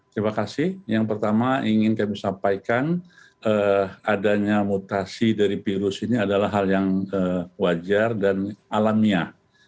terima kasih yang pertama ingin kami sampaikan adanya mutasi dari virus ini adalah hal yang wajar dan alamiah